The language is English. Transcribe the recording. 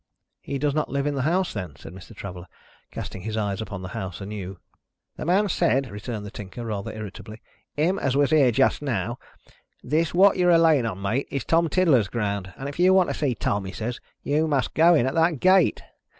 "He does not live in the house, then?" said Mr. Traveller, casting his eyes upon the house anew. "The man said," returned the Tinker, rather irritably, "him as was here just now, 'this what you're a laying on, mate, is Tom Tiddler's ground. And if you want to see Tom,' he says, 'you must go in at that gate.'